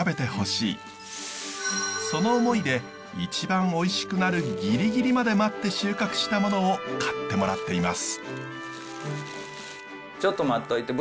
その思いで一番おいしくなるギリギリまで待って収穫したものを買ってもらっています。